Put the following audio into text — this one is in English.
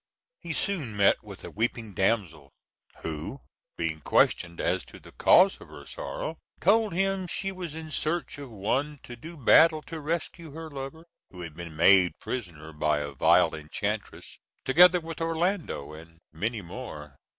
He soon met with a weeping damsel, who, being questioned as to the cause of her sorrow, told him she was in search of one to do battle to rescue her lover, who had been made prisoner by a vile enchantress, together with Orlando and many more.